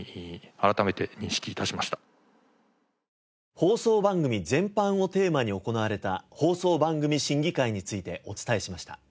放送番組全般をテーマに行われた放送番組審議会についてお伝えしました。